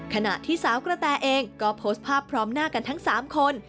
ขณะที่สาวกระแตเองก็โพสต์ภาพพร้อมหน้ากันทั้ง๓คน